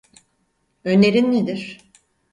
Önerin nedir?